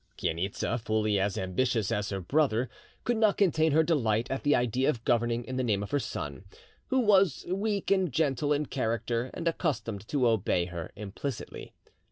Chainitza, fully as ambitious as her brother, could not contain her delight at the idea of governing in the name of her son, who was weak and gentle in character and accustomed to obey her implicitly.